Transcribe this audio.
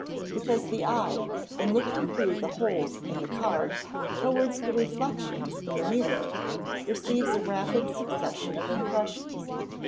_ Because the eye, in looking through the holes in the card, towards the reflections in the mirror, receives a rapid succession of impressions.